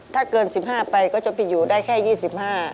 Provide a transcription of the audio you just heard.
ถ้าเกิน๑๕ไปก็จะไปอยู่ได้แค่ยี่สิบห้า